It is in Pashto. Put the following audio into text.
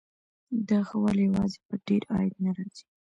دا ښه والی یوازې په ډېر عاید نه راځي.